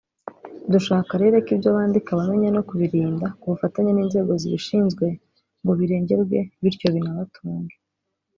Dushaka rero ko ibyo bandika bamenya no kubirinda ku bufatanye n’inzego zibishinzwe ngo birengerwe bityo binabatunge”